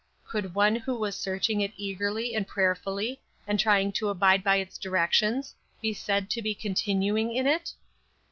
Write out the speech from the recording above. Could one who was searching it eagerly and prayerfully, and trying to abide by its directions, be said to be continuing in it?